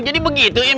jadi begitu im